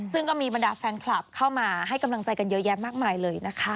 ซึ่งก็มีบรรดาแฟนคลับเข้ามาให้กำลังใจกันเยอะแยะมากมายเลยนะคะ